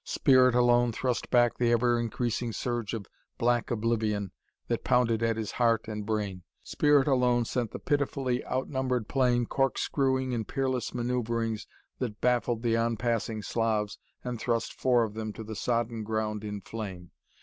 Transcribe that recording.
Spirit alone thrust back the ever increasing surge of black oblivion that pounded at his heart and brain. Spirit alone sent the pitifully outnumbered plane corkscrewing in peerless maneuverings that baffled the on passing Slavs and thrust four of them to the sodden ground in flame.